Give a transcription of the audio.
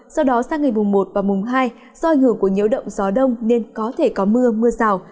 sau đó sang ngày mùng một và mùng hai do ảnh hưởng của nhiễu động gió đông nên có thể có mưa mưa rào